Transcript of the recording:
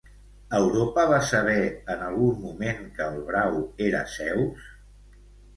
Europa va saber en algun moment que el brau era Zeus?